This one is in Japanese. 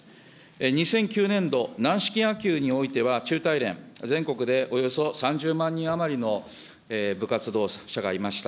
２００９年度軟式野球においては中体連、全国でおよそ３０万人余りの部活動者がいました。